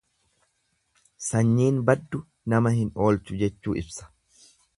Sanyiin baddu nama hin oolchu jechuu ibsa.